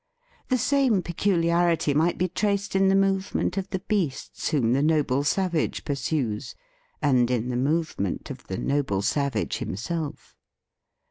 The same peculiarity might be traced in the movement of the beasts whom the noble savage pursues, and in the movement of the noble savage himself.